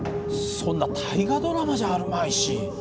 そんな「大河ドラマ」じゃあるまいし。